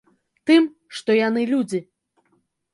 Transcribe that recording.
Тым, што яны людзі.